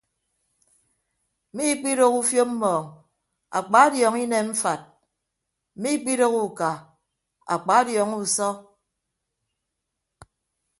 Miikpidooho ufiop mmọọñ akpadiọọñọ inem mfat miikpidooho uka akpadiọọñọ usọ.